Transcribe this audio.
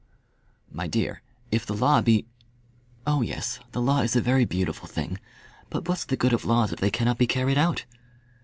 "My dear, if the law be " "Oh yes, the law is a very beautiful thing; but what's the good of laws if they cannot be carried out?